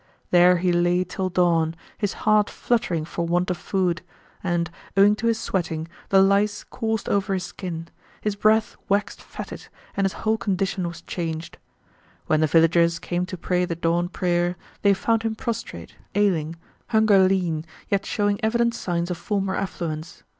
There he lay till dawn, his heart fluttering for want of food; and, owing to his sweating, the lice[FN#126] coursed over his skin; his breath waxed fetid and his whole condition was changed. When the villagers came to pray the dawn prayer, they found him prostrate, ailing, hunger lean, yet showing evident signs of former affluence.